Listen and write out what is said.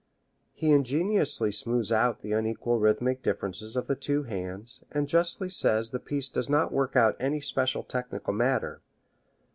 He ingeniously smooths out the unequal rhythmic differences of the two hands, and justly says the piece does not work out any special technical matter.